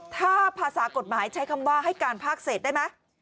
ถ้าภาษากฎหมายใช้คำว่าให้การภาคเศษได้ไหม